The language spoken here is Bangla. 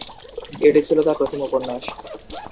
এটি ছিলো তার প্রথম উপন্যাস।